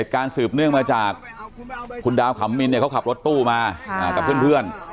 การสืบเนื่องมาจากคุณดาวขำมินเขาขับรถตู้มากับเพื่อน